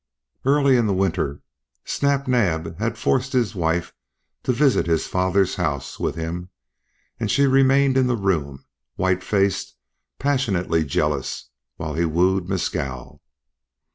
Early in the winter Snap Naab had forced his wife to visit his father's house with him; and she had remained in the room, white faced, passionately jealous, while he wooed Mescal.